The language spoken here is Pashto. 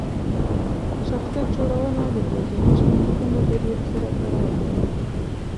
شخصیت جوړونه د ورځني ژوند ښه مدیریت سره تړاو لري.